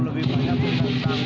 ya lebih ke cedaranya sih mas ya